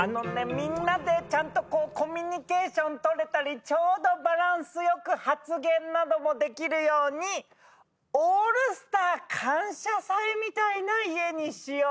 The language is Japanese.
みんなでちゃんとコミュニケーションとれたりちょうどバランスよく発言などもできるようにオールスター感謝祭みたいな家にしよう